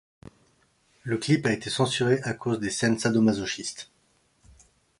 Le clip a été censuré à cause des scènes sado-masochistes.